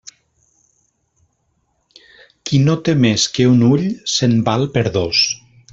Qui no té més que un ull, se'n val per dos.